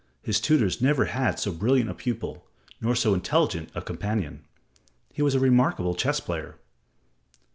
His tutors never had so brilliant a pupil, nor so intelligent a companion. He was a remarkable chess player.